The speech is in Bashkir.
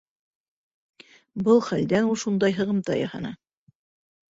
Был хәлдән ул шундай һығымта яһаны.